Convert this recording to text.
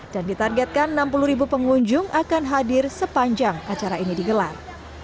dan ditargetkan enam puluh ribu pengunjung akan hadir sepanjang acara ini digelar